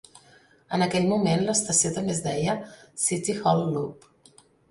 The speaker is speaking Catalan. En aquell moment, l'estació també es deia City Hall Loop.